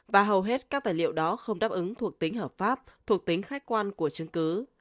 và hầu hết các tài liệu đó không đáp ứng thuộc tính hợp pháp thuộc tính khách quan của chứng cứ